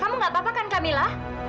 kamu gak apa apa kan kamila